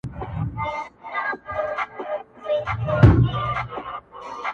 له خپله سیوري خلک ویریږي!.